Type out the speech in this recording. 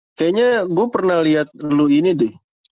eh kayaknya gue pernah liat lu ini deh